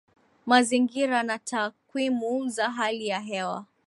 Mazingira na Takwimu za hali ya hewa